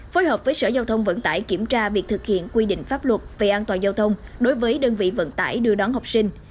phối hợp với sở giao thông vận tải kiểm tra việc thực hiện quy định pháp luật về an toàn giao thông đối với đơn vị vận tải đưa đón học sinh